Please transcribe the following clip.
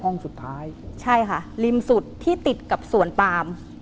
สุดท้ายใช่ค่ะริมสุดที่ติดกับสวนปาม